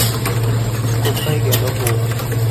কোথায় গেল ও?